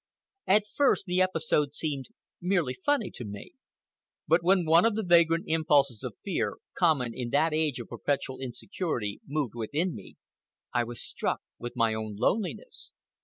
At first the episode seemed merely funny to me. But when one of the vagrant impulses of fear, common in that age of perpetual insecurity, moved within me, I was struck with my own loneliness.